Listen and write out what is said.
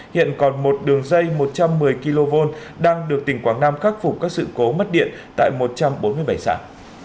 hiện còn một đường dây một trăm một mươi kv đang được tỉnh quảng nam khắc phục các sự cố mất điện tại một trăm bốn mươi bảy xã